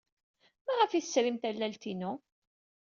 Maɣef ay tesrim tallalt-inu?